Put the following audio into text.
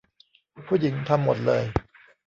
ผู้หญิงทำหมดเลย